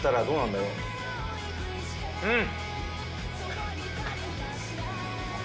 うん！